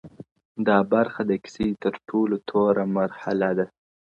دا برخه د کيسې تر ټولو توره مرحله ده